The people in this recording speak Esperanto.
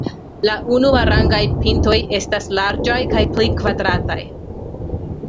La unuarangaj pintoj estas larĝaj kaj pli kvadrataj.